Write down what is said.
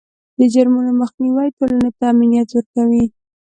د جرمونو مخنیوی ټولنې ته امنیت ورکوي.